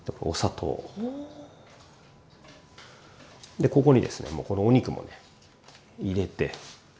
でここにですねもうこのお肉もね入れて。